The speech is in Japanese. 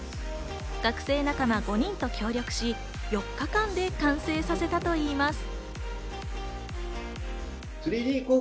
学生仲間５人と協力し、４日間で完成させたといいます。